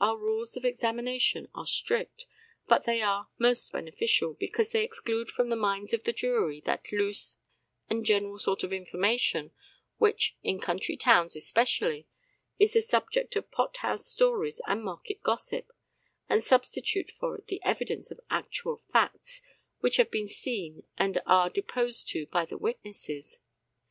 Our rules of examination are strict, but they are most beneficial, because they exclude from the minds of the jury that loose and general sort of information which, in country towns especially, is the subject of pot house stories and market gossip, and substitute for it the evidence of actual facts which have been seen and are deposed to by the witnesses.